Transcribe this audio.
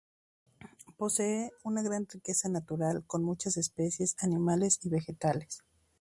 Posee una gran riqueza natural, con muchas especies animales y vegetales.